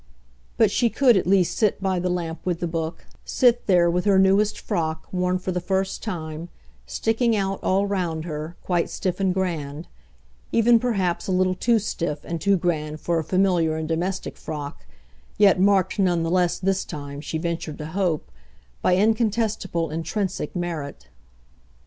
but she could at least sit by the lamp with the book, sit there with her newest frock, worn for the first time, sticking out, all round her, quite stiff and grand; even perhaps a little too stiff and too grand for a familiar and domestic frock, yet marked none the less, this time, she ventured to hope, by incontestable intrinsic merit.